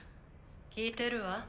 聞いてるわ。